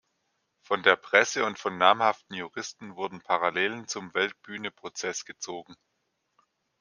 Von der Presse und von namhaften Juristen wurden Parallelen zum Weltbühne-Prozess gezogen.